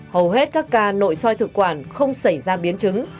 hầu hết các ca nội soi thực quản không xảy ra biến chứng